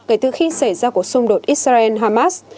kể từ khi xảy ra cuộc xung đột israel hamas